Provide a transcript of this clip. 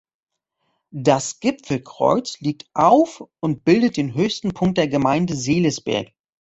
Das Gipfelkreuz liegt auf und bildet den höchsten Punkt der Gemeinde Seelisberg.